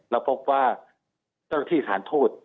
เราพบว่าเจ้าหน้าที่สถานทูต